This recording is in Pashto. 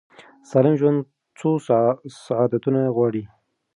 سالم ژوند څو عادتونه غواړي.